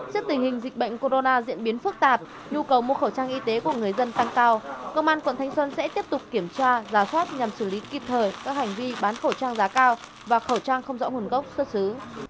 trước tình hình dịch bệnh corona diễn biến phức tạp nhu cầu mua khẩu trang y tế của người dân tăng cao công an quận thanh xuân sẽ tiếp tục kiểm tra giả soát nhằm xử lý kịp thời các hành vi bán khẩu trang giá cao và khẩu trang không rõ nguồn gốc xuất xứ